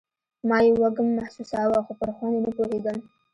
ما يې وږم محسوساوه خو پر خوند يې نه پوهېدم.